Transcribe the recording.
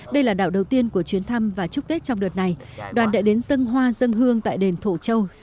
đây là đảo đầu tiên của chuyến thăm và chúc tết trong đợt này đoàn đã đến dân hoa dân hương tại đền thổ châu